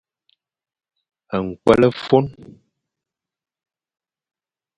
Ñkwel ô fôn.